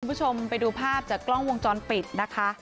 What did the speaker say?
คุณผู้ชมไปดูภาพจากกล้องวงจรปิดนะคะ